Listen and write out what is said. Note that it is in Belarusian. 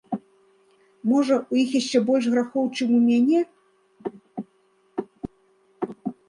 Можа, у іх яшчэ больш грахоў, чым у мяне?